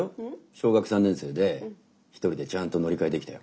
小学３年生で１人でちゃんと乗り換えできたよ。